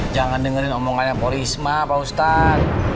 jangan dengerin omongannya pak risma pak ustadz